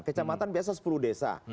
kecamatan biasa sepuluh desa